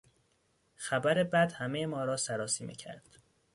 خبر بد همهی ما را سراسیمه کرد.